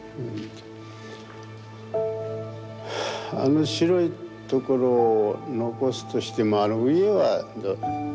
はぁあの白いところを残すとしてもあの上は。